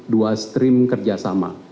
dua stream kerjasama